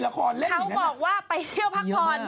เขาบอกว่าไปเที่ยวพักผ่อน